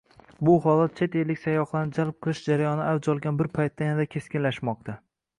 Bu holat chet ellik sayyohlarni jalb qilish jarayoni avj olgan bir paytda yanada keskinlashmoqda